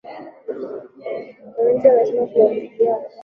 wananchi wameshasema tunampigia watara